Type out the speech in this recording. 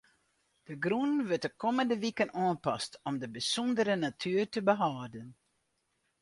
De grûn wurdt de kommende wiken oanpast om de bysûndere natuer te behâlden.